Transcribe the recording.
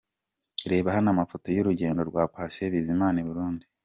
Reba hano amafoto y'urugendo rwa Patient Bizimana i Burundi.